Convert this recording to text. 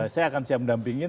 saya akan siap mendampingin